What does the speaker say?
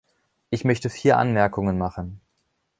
Ich möchte vier Anmerkungen machen.